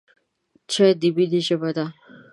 چای د مینې ژبه ده.